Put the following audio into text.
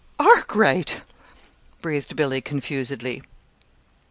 Arkwright!" breathed Billy, confusedly.